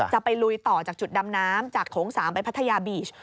ไปลุยต่อจากจุดดำน้ำจากโถง๓ไปพัทยาบีช